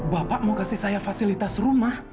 bapak mau kasih saya fasilitas rumah